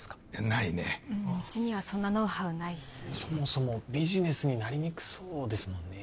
ないねうちにはそんなノウハウないしそもそもビジネスになりにくそうですもんね